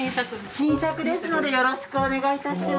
新作ですのでよろしくお願い致します。